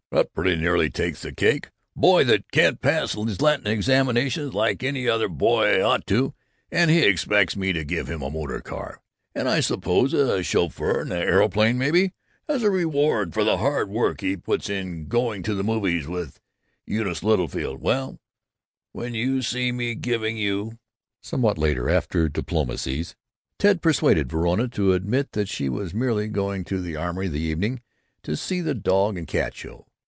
That pretty nearly takes the cake! A boy that can't pass his Latin examinations, like any other boy ought to, and he expects me to give him a motor car, and I suppose a chauffeur, and an aeroplane maybe, as a reward for the hard work he puts in going to the movies with Eunice Littlefield! Well, when you see me giving you " Somewhat later, after diplomacies, Ted persuaded Verona to admit that she was merely going to the Armory, that evening, to see the dog and cat show.